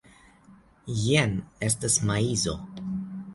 Jen estas maizo.